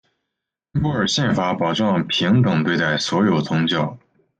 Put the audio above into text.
尼泊尔宪法保障平等对待所有宗教。